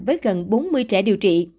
với gần bốn mươi trẻ điều trị